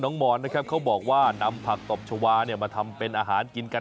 มอนนะครับเขาบอกว่านำผักตบชาวามาทำเป็นอาหารกินกัน